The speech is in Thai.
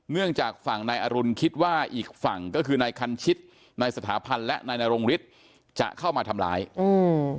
เนื่องจากฝั่งนายอรุณคิดว่าอีกฝั่งก็คือนายคันชิตนายสถาพันธ์และนายนรงฤทธิ์จะเข้ามาทำร้ายอืม